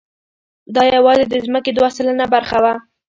دا یواځې د ځمکې دوه سلنه برخه وه.